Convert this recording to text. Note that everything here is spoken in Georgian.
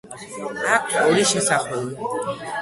აქვს ორი შესახვევი.